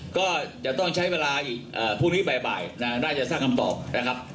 ก็จะต้องใช้เวลาอีกพรุ่งนี้บ่ายน่าจะสร้างคำตอบนะครับ